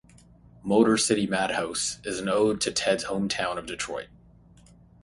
"Motor City Madhouse" is an ode to Ted's hometown of Detroit.